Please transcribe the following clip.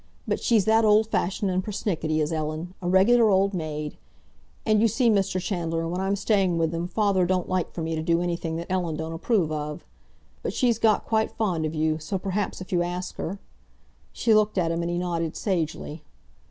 "But she's that old fashioned and pernickety is Ellen—a regular old maid! And, you see, Mr. Chandler, when I'm staying with them, father don't like for me to do anything that Ellen don't approve of. But she's got quite fond of you, so perhaps if you ask her—?" She looked at him, and he nodded sagely.